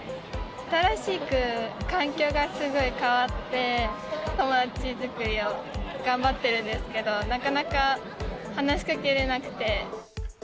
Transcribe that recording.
新しく環境がすごい変わって、友達作りを頑張ってるんですけど、なかなか話しかけれなくて。